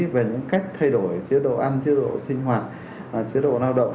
về những cách thay đổi chế độ ăn chế độ sinh hoạt chế độ lao động